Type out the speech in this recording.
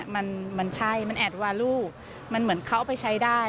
มันมันใช่มันแอดวาลูมันเหมือนเขาเอาไปใช้ได้